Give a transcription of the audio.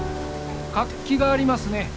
活気がありますね。